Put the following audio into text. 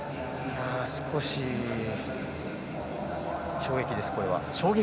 少し衝撃です、これは。